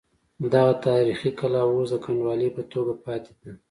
دغه تاریخي کلا اوس د کنډوالې په توګه پاتې ده.